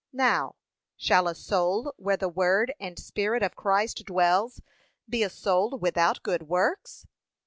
Now, shall a soul where the word and Spirit of Christ dwells, be a soul without good works?